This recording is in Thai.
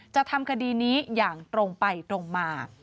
จะทำคดีนี้อย่างตรงไปตรงมา